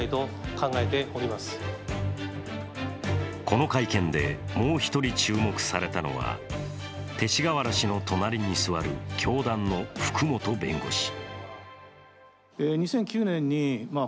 この会見でもう一人注目されたのは勅使河原氏の隣に座る教団の福本弁護士。